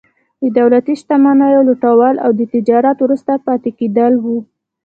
د دولتي شتمنیو لوټول او د تجارت وروسته پاتې کېدل وو.